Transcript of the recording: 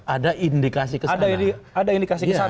ada indikasi ke sana